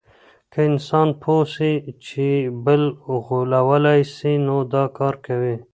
که انسان پوه سي چي بل غولولای سي نو دا کار کوي.